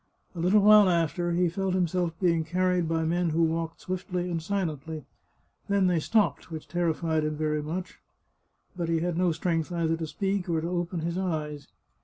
A little while after he felt himself being carried by men who walked swiftly and silently. Then they stopped, which terrified him very much. But he had no strength either to speak or to open his eyes.